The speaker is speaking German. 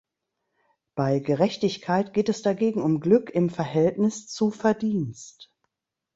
Bei „Gerechtigkeit“ geht es dagegen um Glück im Verhältnis zu Verdienst.